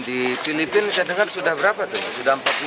di filipina sudah berapa sudah empat puluh lima derajat ya